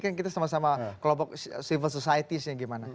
kan kita sama sama kelompok civil society yang gimana